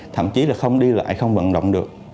thậm chí là không đi lại không vận động được